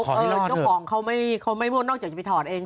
เจ้าของเขาไม่ม่วนนอกจากจะไปถอดเอง